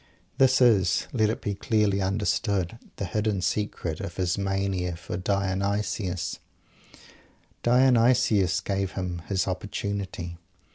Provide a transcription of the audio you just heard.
This is, let it be clearly understood, the hidden secret of his mania for Dionysus Dionysus gave him his opportunity.